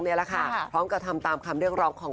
พร้อมกับทำตามคำเรื่องร้องของ